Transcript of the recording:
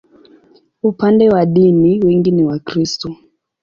Upande wa dini, wengi ni Wakristo.